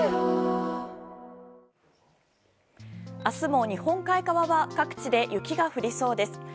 明日も日本海側は各地で雪が降りそうです。